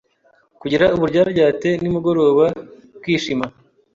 Kugira uburyaryate nimugoroba ukishima.